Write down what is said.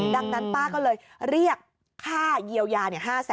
ดังนั้นป้าก็เลยเรียกค่าเยียวยา๕๐๐๐